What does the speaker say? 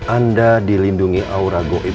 anda dilindungi aura goib